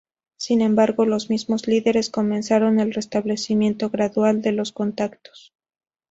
Sin embargo, los mismos líderes comenzaron el restablecimiento gradual de los contactos.